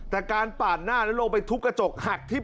แต่การปาดหน้าลงไปทุกกระจกหัด